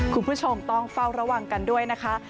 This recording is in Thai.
คุณผู้ชมต้องเฝ้าระวังกันด้วยนะคะ